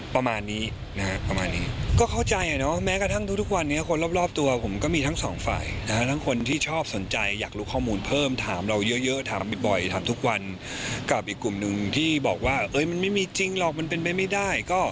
เพิ่มถามเราเยอะถามบ่อยถามทุกวันกลับอีกกลุ่มนึงที่บอกว่ามันไม่มีจริงหรอกมันเป็นแบบไม่ได้